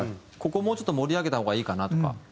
ここもうちょっと盛り上げた方がいいかなとか。